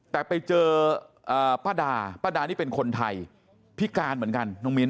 แต่ไปเจอป้าดาป้าดานี่เป็นคนไทยพิการเหมือนกันน้องมิ้น